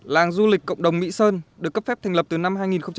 làng du lịch cộng đồng mỹ sơn được cấp phép thành lập từ năm hai nghìn một mươi